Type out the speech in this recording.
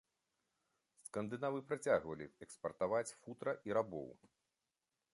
Скандынавы працягвалі экспартаваць футра і рабоў.